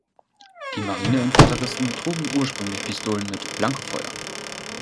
Die Marineinfanteristen trugen ursprünglich Pistolen mit Blankofeuer.